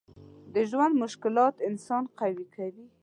د ژوند مشکلات انسان قوي کوي.